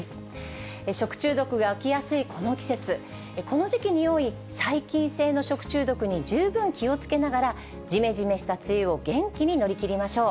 食中毒が起きやすいこの季節、この時期に多い細菌性の食中毒に十分気をつけながら、じめじめした梅雨を元気に乗り切りましょう。